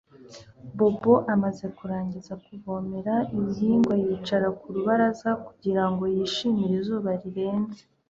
Bobo amaze kurangiza kuvomera ibihingwa yicara ku rubaraza kugira ngo yishimire izuba rirenze